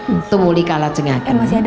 itu mulia kalah jengahkan